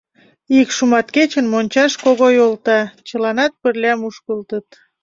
Ик шуматкечын мончаш Когой олта, чыланат пырля мушкылтыт.